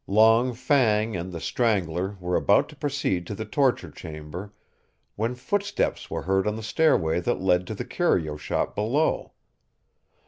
Long Fang and the Strangler were about to proceed to the torture chamber when footsteps were heard on the stairway that led to the curio shop below.